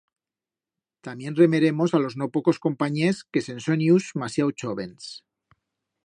Tamién remeremos a los no pocos companyers que se'n son ius masiau chóvens.